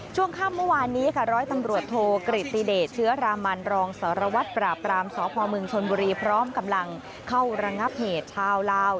ช่วงค่ำเมื่อวานนี้ค่ะร้อยตำรวจโทกริตติเดชเชื้อรามันรองสารวัตรปราบรามสพเมืองชนบุรีพร้อมกำลังเข้าระงับเหตุชาวลาว